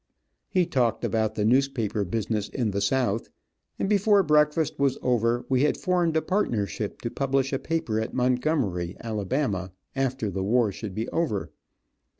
He talked about the newspaper business in the South, and before breakfast was over we had formed a partnership to publish a paper at Montgomery, Ala., after the war should be over.